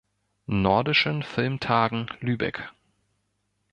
Nordischen Filmtagen Lübeck.